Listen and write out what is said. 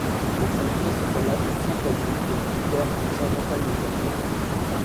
Le chantier s'étala sur cinq années et impliqua une cinquantaine de chercheurs.